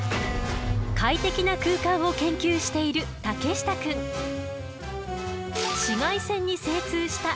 快適な空間を研究している竹下くん。え？